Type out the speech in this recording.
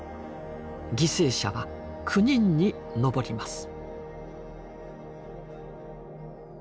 犠牲者は９人に上ります。